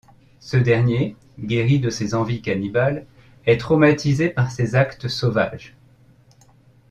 Ce dernier, guéri de ses envies cannibales, est traumatisé par ses actes sauvages.